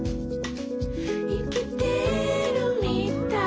「いきてるみたい」